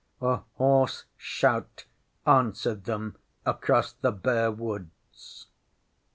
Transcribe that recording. A hoarse shout answered them across the bare woods.